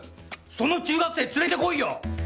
その中学生連れて来いよ！